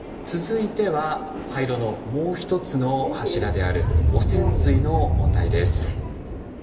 続いては廃炉のもう一つの柱である汚染水の問題です。